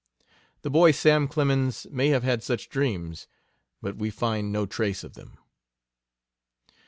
The boy Sam Clemens may have had such dreams, but we find no trace of them.